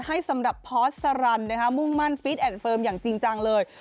ให้สำหรับพอสต์สารันด์นะคะมุ่งมั่นฟิตแอนด์เฟิร์มอย่างจริงจังเลย